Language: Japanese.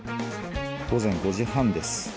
午前５時半です。